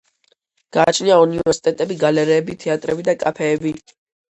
გააჩნია უნივერსიტეტები, გალერეები, თეატრები და კაფეები.